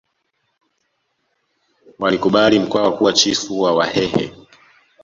walikubali Mkwawa kuwa chifu wa wahehe